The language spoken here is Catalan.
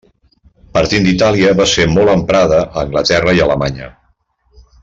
Partint d'Itàlia va ser molt emprada a Anglaterra i Alemanya.